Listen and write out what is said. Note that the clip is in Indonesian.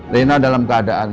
reina dalam keadaan